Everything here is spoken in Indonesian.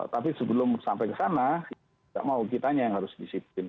tapi sebelum sampai ke sana tidak mau kitanya yang harus disiplin